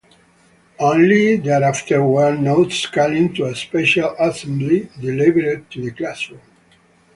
Only thereafter were notes calling to a special assembly delivered to the classroom.